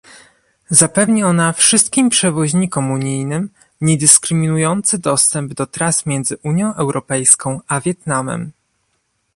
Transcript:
Zapewni ona wszystkim przewoźnikom unijnym niedyskryminujący dostęp do tras między Unią Europejską a Wietnamem